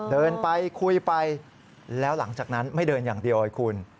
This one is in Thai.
เดินไปคุยไปแล้วหลังจากนั้นไม่เดินอย่างเดียวไอ้คุณ